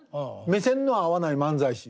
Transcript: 目線の合わない漫才師。